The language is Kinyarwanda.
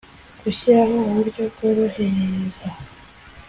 gushyiraho uburyo bworohereza